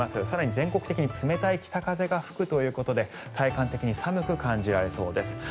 更に全国的に冷たい北風が吹くということで体感的に寒く感じられそうです。